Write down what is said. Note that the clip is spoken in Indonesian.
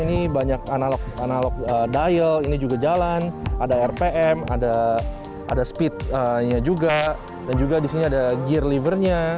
ini banyak analog dial ini juga jalan ada rpm ada speednya juga dan juga disini ada gear levernya